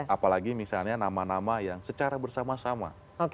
apalagi misalnya nama nama yang secara bersama sama